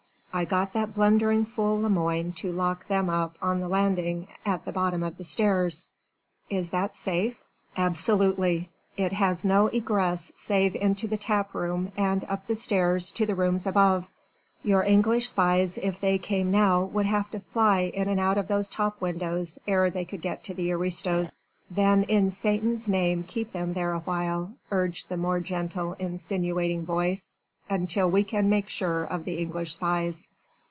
"I got that blundering fool Lemoine to lock them up on the landing at the bottom of the stairs." "Is that safe?" "Absolutely. It has no egress save into the tap room and up the stairs, to the rooms above. Your English spies if they came now would have to fly in and out of those top windows ere they could get to the aristos." "Then in Satan's name keep them there awhile," urged the more gentle, insinuating voice, "until we can make sure of the English spies."